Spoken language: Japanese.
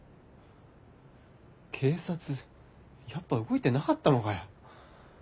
警察やっぱ動いてなかったのかよ。